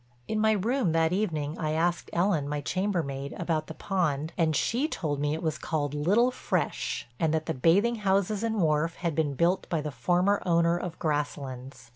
In my room that evening I asked Ellen, my chambermaid, about the pond and she told me it was called Little Fresh and that the bathing houses and wharf had been built by the former owner of Grasslands.